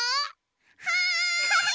はい！